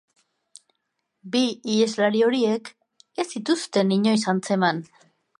Bi iheslari horiek ez zituzten inoiz atzeman.